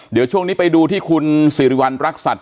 เดี๋ยวช่วงนี้ไปดูที่คุณสิริวัณรักษัตริย